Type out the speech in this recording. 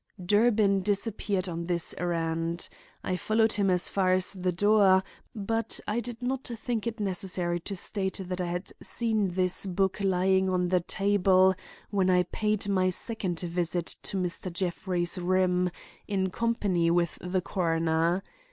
Durbin disappeared on this errand. I followed him as far as the door, but I did not think it necessary to state that I had seen this book lying on the table when I paid my second visit to Mr. Jeffrey's room in company with the coroner.